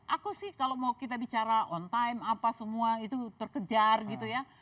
aku sih kalau mau kita bicara on time apa semua itu terkejar gitu ya